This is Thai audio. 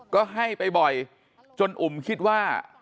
ก็ให้ไปบ่อยจนอุ่มคิดว่า